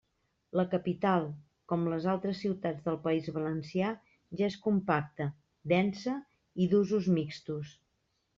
La capital, com les altres ciutats del País Valencià, ja és compacta, densa i d'usos mixtos.